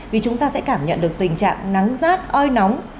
vì chúng ta sẽ cảm nhận được tình trạng nắng rát oi nóng